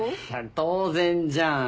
当然じゃん。